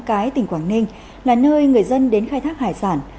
cái tỉnh quảng ninh là nơi người dân đến khai thác hải sản